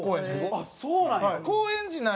あっそうなんや。